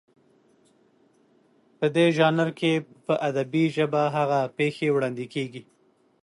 په دې ژانر کې په ادبي ژبه هغه پېښې وړاندې کېږي